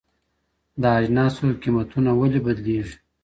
د اجناسو قیمتونه ولې بدلیږي؟